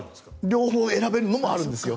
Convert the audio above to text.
両方選べるのもあるんですよ。